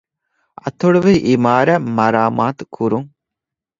އަތޮޅުވެހި އިމާރާތް މަރާމާތުކުރުން